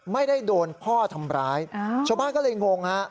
ไม่ได้โดนพ่อทำร้ายชาวบ้านก็เลยงงฮะ